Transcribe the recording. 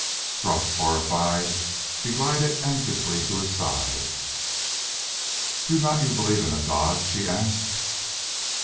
Struck, horrified, she glided anxiously to his side. "Do not you believe in a God?" she asked.